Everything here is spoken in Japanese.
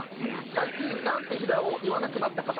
最近「なんて日だ！」を言わなくなった方。